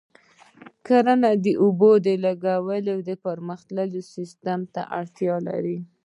کرنه د اوبو د لګولو پرمختللي سیستمونه ته اړتیا لري.